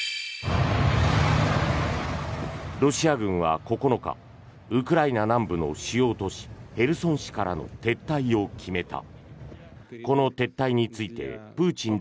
ロシア軍は９日ウクライナ南部の主要都市ヘルソン市からの撤退を決めた。